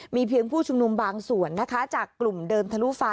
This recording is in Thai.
มีเพียงผู้ชุมนุมบางส่วนนะคะจากกลุ่มเดินทะลุฟ้า